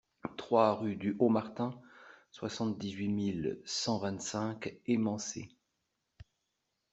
trois rue du Haut Martin, soixante-dix-huit mille cent vingt-cinq Émancé